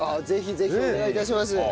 ぜひぜひお願い致します。